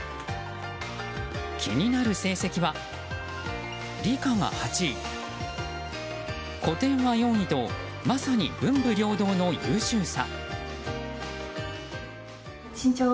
気になる成績は理科が８位、古典は４位とまさに文武両道の優秀さ。